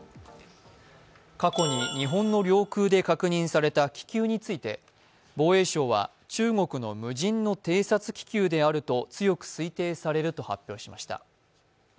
過去に日本の領空で確認された気球について、防衛省は、中国の無人の偵察気球であると強く推定されると発表しました。